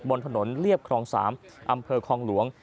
บนถนนเรียบคลอง๓อำเภอคลองหลวง